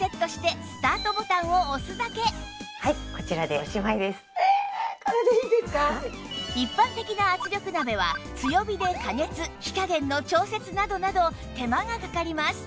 でもさらにあとは一般的な圧力鍋は強火で加熱火加減の調節などなど手間がかかります